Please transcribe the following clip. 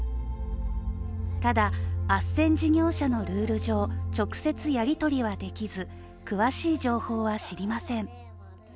ただ、あっせん事業者のルール上直接やり取りはできず詳しい情報は知りません。